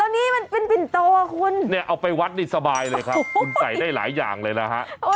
อันนี้มันเป็นปิ่นโตคุณเนี่ยเอาไปวัดนี่สบายเลยครับคุณใส่ได้หลายอย่างเลยนะฮะ